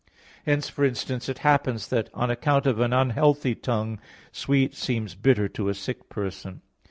Hence, for instance, it happens that on account of an unhealthy tongue sweet seems bitter to a sick person.